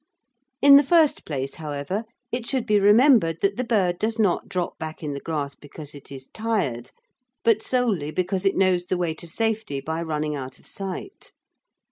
In the first place, however, it should be remembered that the bird does not drop back in the grass because it is tired, but solely because it knows the way to safety by running out of sight.